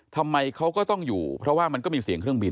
ทำไมเขาก็ต้องอยู่เพราะว่ามันก็มีเสียงเครื่องบิน